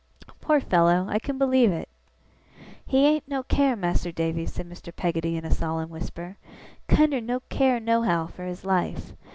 'Poor fellow, I can believe it!' 'He ain't no care, Mas'r Davy,' said Mr. Peggotty in a solemn whisper 'kinder no care no how for his life.